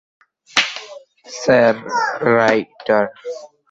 Sir, writer?